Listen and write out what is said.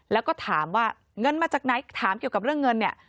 แล้วก็ถามว่าเงินมาจากไหนถามเกี่ยวกับเรื่องเงินเนี่ย